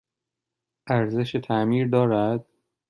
ارزش تعمیر دارد؟